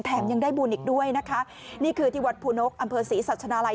ยังได้บุญอีกด้วยนะคะนี่คือที่วัดภูนกอำเภอศรีสัชนาลัย